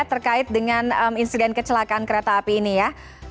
terkait dengan insiden kecelakaan kereta api ini ya